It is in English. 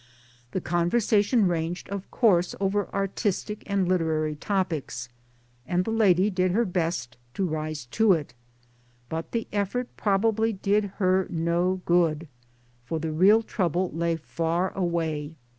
The conversation ranged, of course, over artistic and literary topics, and the lady did her best to rise to it ; but the effort probably did her no good. For the real trouble lay far away.